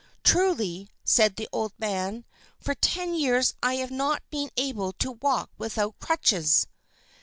"Truly," said the old man, "for ten years I have not been able to walk without crutches."